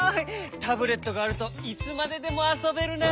タブレットがあるといつまででもあそべるな。